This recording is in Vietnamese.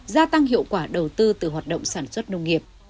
gia tăng hiệu quả đầu tư từ hoạt động sản xuất nông nghiệp